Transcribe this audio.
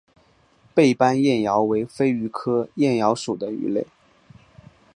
背斑燕鳐为飞鱼科燕鳐属的鱼类。